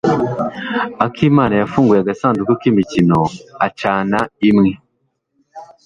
Akimana yafunguye agasanduku k'imikino acana imwe.